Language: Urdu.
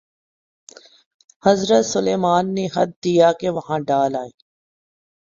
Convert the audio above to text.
حضرت سلیمان نے خط دیا کہ وہاں ڈال آئے۔